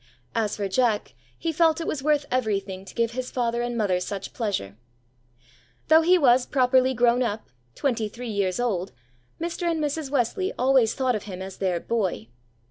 As for Jack, he felt it was worth everything to give his father and mother such pleasure. Though he was properly grown up, twenty three years old, Mr. and Mrs. Wesley always thought of him as their "boy."